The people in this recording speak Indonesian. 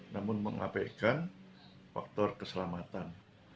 namun mengabaikan faktor keselamatan